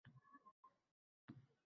Ko’zi bilan she’r aytar edi.